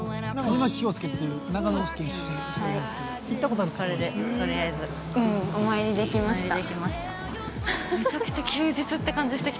◆これで、とりあえず。お参りできました。